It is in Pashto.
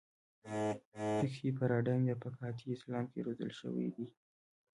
فقهي پاراډایم یا فقاهتي اسلام کې روزل شوي دي.